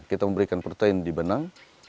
kita memberikan protein di benang